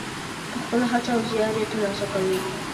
په خپله هڅه او زیار یې ترلاسه کوي.